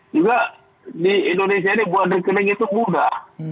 juga di indonesia ini buat rekening itu mudah